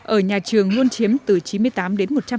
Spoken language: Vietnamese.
ở nhà trường luôn chiếm từ trường đến trường